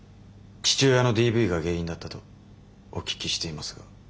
父親のＤＶが原因だったとお聞きしていますが？